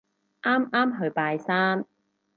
啱啱去拜山